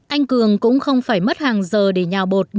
anh cường cũng không phải mất hàng giờ để nhào bột